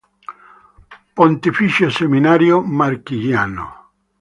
Pontificio seminario marchigiano